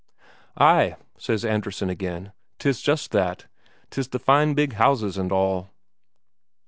"Ay," says Andresen again, "'tis just that. 'Tis the fine big houses and all."